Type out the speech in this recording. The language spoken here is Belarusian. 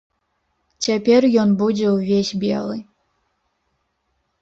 Цяпер ён будзе ўвесь белы.